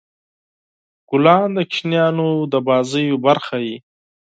ګلان د ماشومان د لوبو برخه وي.